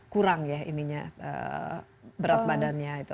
kurang ya ininya berat badannya itu